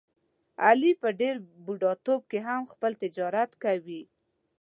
علي په ډېر بوډاتوب کې هم خپل تجارت کوي.